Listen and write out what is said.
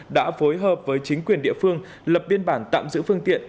đã phối hợp với chính quyền địa phương lập biên bản tạm giữ phương tiện